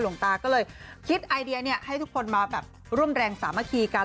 หลวงตาก็เลยคิดไอเดียให้ทุกคนมาแบบร่วมแรงสามัคคีกัน